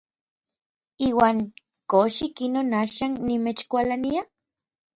Iuan ¿kox ikinon axan nimechkualania?